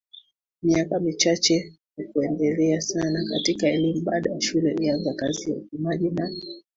miaka michache hakuendelea sana katika elimu Baada ya shule alianza kazi ya upimaji na